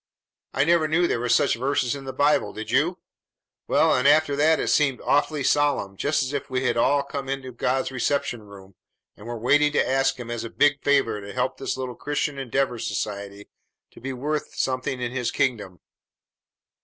I never knew there were such verses in the Bible, did you? Well, and after that it seemed awfully solemn, just as if we had all come into God's reception room and were waiting to ask Him as a big favor to help this little Christian Endeavor Society to be worth something in His kingdom.